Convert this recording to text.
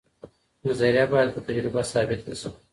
نظریه باید په تجربه ثابته سي.